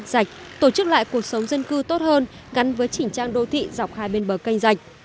dạch tổ chức lại cuộc sống dân cư tốt hơn gắn với chỉnh trang đô thị dọc hai bên bờ cây dạch